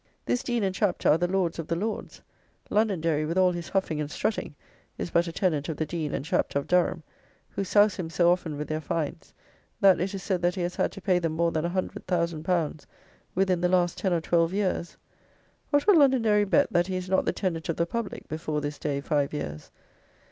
This Dean and Chapter are the lords of the Lords. Londonderry, with all his huffing and strutting, is but a tenant of the Dean and Chapter of Durham, who souse him so often with their fines that it is said that he has had to pay them more than a hundred thousand pounds within the last ten or twelve years. What will Londonderry bet that, he is not the tenant of the public before this day five years?